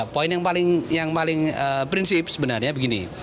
poin yang paling prinsip sebenarnya begini